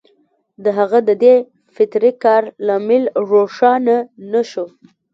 د هغه د دې فطري کار لامل روښانه نه شو